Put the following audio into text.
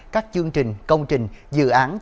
các chương trình công trình dự án